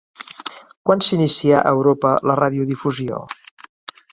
Quan s'inicià a Europa la radiodifusió?